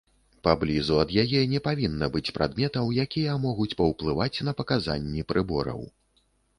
Паблізу ад яе не павінна быць прадметаў, якія могуць паўплываць на паказанні прыбораў.